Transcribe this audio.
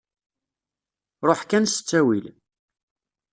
Ṛuḥ kan s ttawil.